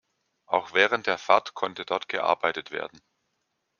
Auch während der Fahrt konnte dort gearbeitet werden.